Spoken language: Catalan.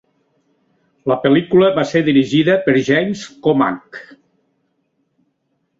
La pel·lícula va ser dirigida per James Komack.